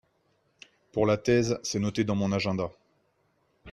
pour la thèse, c'est noté dans mon agenda.